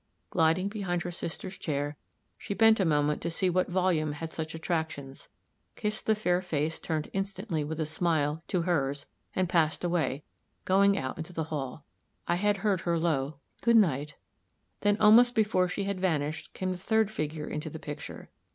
Gliding behind her sister's chair, she bent a moment to see what volume had such attractions, kissed the fair face turned instantly with a smile to hers, and passed away, going out into the hall. I had heard her low "good night." Then, almost before she had vanished, came the third figure into the picture.